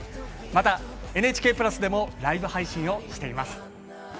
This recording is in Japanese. またＮＨＫプラスでもライブ配信をしています。